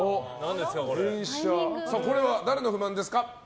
これは誰の不満ですか？